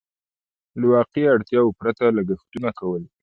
له واقعي اړتياوو پرته لګښتونه کول.